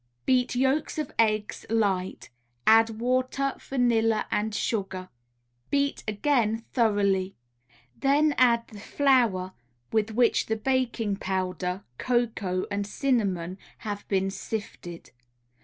Beat yolks of eggs light, add water, vanilla and sugar; beat again thoroughly; then add the flour, with which the baking powder, cocoa and cinnamon have been sifted.